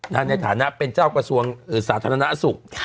ในฐานะเป็นเจ้ากระทรวงสาธารณสุข